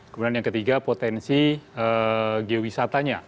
kemudian yang ketiga potensi geowisatanya